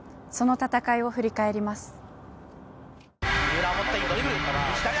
その戦いを振り返ります。